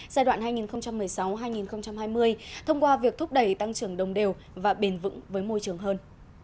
giai đoạn hai nghìn một mươi sáu hai nghìn hai mươi thông qua việc thúc đẩy tăng trưởng đồng đều và bền vững với môi trường hơn